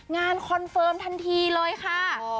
คอนเฟิร์มทันทีเลยค่ะ